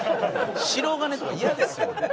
白金とか嫌ですよ。